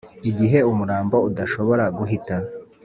Igihe umurambo udashobora guhita